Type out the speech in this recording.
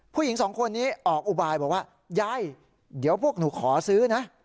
ผู้หญิงสองคนนี้ออกอุบายบอกว่ายายเดี๋ยวพวกหนูขอซื้อนะ